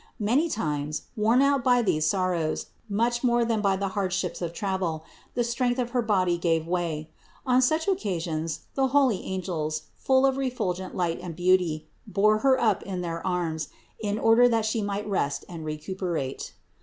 Many times, worn out by these sorrows, much more than by the hardships of travel, the strength of her body gave way; on such occasions the holy angels, full of refulgent light and beauty, bore Her up in their arms, in order that She might rest and recuperate.